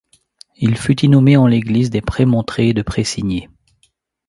Il fut inhumé en l’église des Prémontrés de Précigné.